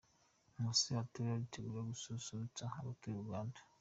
Nkusi Arthur aritegura gususurutsa abatuye Uganda.